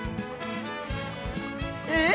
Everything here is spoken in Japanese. えっ？